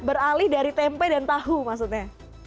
beralih dari tempe dan tahu maksudnya